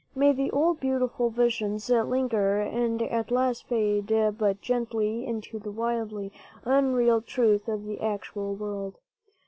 May the old, beautiful visions linger, and at last fade but gently into the wildly unreal truth of the actual world!